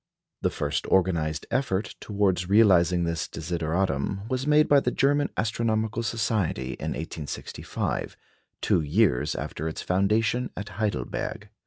The first organised effort towards realising this desideratum was made by the German Astronomical Society in 1865, two years after its foundation at Heidelberg.